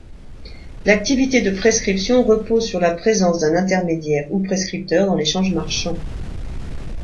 L’activité de prescription repose sur la présence d’un intermédiaire ou prescripteur dans l’échange marchand.